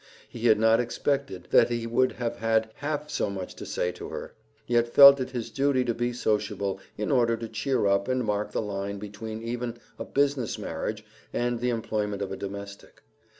He had not expected that he would have had half so much to say to her, yet felt it his duty to be sociable in order to cheer up and mark the line between even a business marriage and the employment of a domestic.